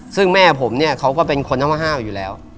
ซึ่งแม่ผมเนี่ยเขาก็เป็นคนน้ำมะห้าวอยู่แล้ว